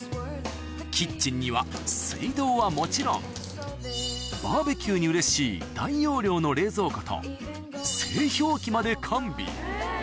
キッチンには水道はもちろんバーベキューにうれしい大容量の冷蔵庫と製氷機まで完備